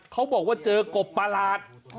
เขาบอกว่าเจอกบประหลาด